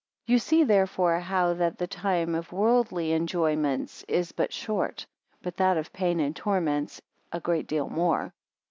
You see therefore how that the time of worldly enjoyments is but short; but that of pain and torments, a great deal more.